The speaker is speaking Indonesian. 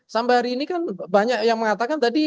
sampai hari ini kan banyak yang mengatakan tadi